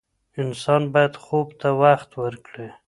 انسان باید خوب ته وخت ورکړي.